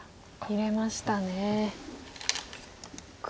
入れましたね。